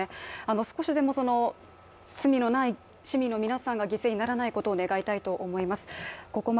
少しでも罪のない市民の皆さんが犠牲にならないことを願いたいと思います。